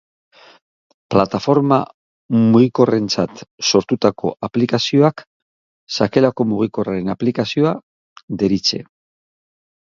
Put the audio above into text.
Plataforma mugikorrentzat sortutako aplikazioak sakelako mugikorraren aplikazio deritze.